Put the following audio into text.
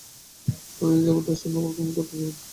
অনেক দিন যাবৎ তাঁর সঙ্গে আমার আর কোনো যোগাযোগ ছিল না।